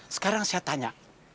sekarang saya tanya